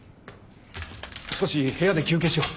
少し部屋で休憩しよう。